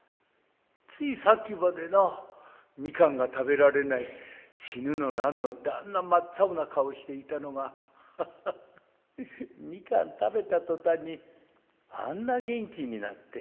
ついさっきまでな蜜柑が食べられない死ぬの何のってあんな真っ青な顔していたのがアハハ蜜柑食べた途端にあんな元気になって。